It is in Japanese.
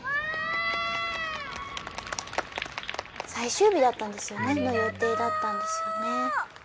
最終日だったんですよね。の予定だったんですよね。